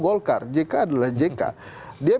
golkar jk adalah jk dia